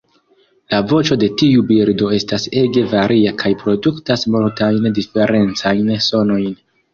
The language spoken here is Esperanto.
La voĉo de tiu birdo estas ege varia kaj produktas multajn diferencajn sonojn.